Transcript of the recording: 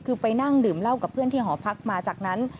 คือไปนั่งดื่มเหล้ากับเพื่อนที่หอพักมาจากนั้น